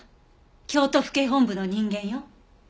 京都府警本部の人間よ。